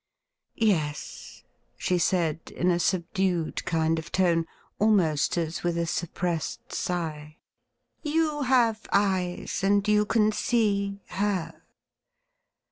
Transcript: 'Yes,' she said, in a subdued kind of tone, almost as with a suppressed sigh ;' you have eyes and you can see — her.